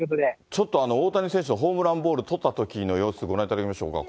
ちょっと、大谷選手のホームランボール捕ったときの様子、ご覧いただきましょうか。